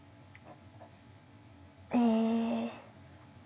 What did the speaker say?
え。